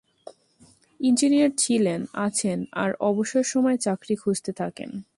Engineer ছিলেন, আছেন, আর অবসর সময়ে চাকরি খুঁজতে থাকেন।